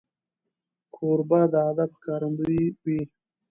کوربه د ادب ښکارندوی وي.